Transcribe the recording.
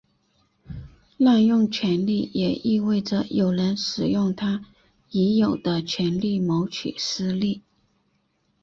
滥用权力也意味着有人使用他已有的权力谋取私利。